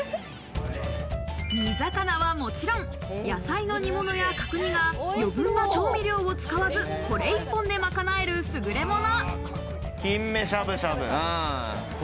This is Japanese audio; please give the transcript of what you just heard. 煮魚はもちろん、野菜の煮物や角煮が余分な調味料を使わず、これ１本で賄えるすぐれもの。